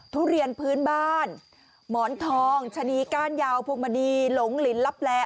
ทุเรียนพื้นบ้านหมอนทองชะนีก้านยาวพวงมณีหลงลินลับแล